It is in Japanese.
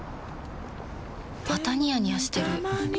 またニヤニヤしてるふふ。